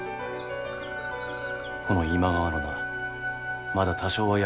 この今川の名まだ多少は役に立とう。